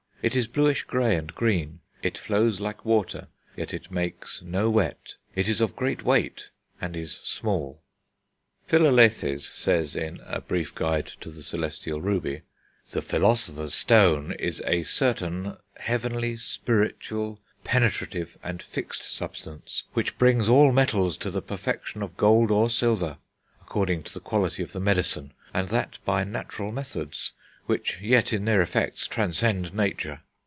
It is bluish grey and green.... It flows like water, yet it makes no wet; it is of great weight, and is small." Philalethes says, in A Brief Guide to the Celestial Ruby: "The Philosopher's Stone is a certain heavenly, spiritual, penetrative, and fixed substance, which brings all metals to the perfection of gold or silver (according to the quality of the Medicine), and that by natural methods, which yet in their effects transcend Nature....